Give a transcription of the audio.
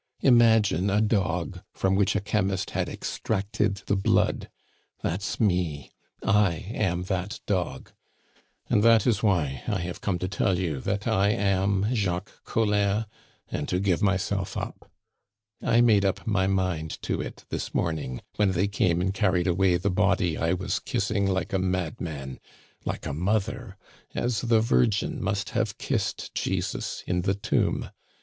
Imagine a dog from which a chemist had extracted the blood. That's me! I am that dog "And that is why I have come to tell you that I am Jacques Collin, and to give myself up. I made up my mind to it this morning when they came and carried away the body I was kissing like a madman like a mother as the Virgin must have kissed Jesus in the tomb.